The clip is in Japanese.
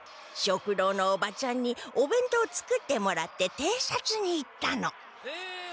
食堂のおばちゃんにお弁当作ってもらって偵察に行ったの。